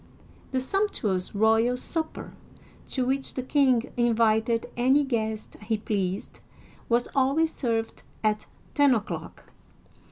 The sumptuous royal supper, to which the king invited any guest he pleased, was always served at ten o'clock.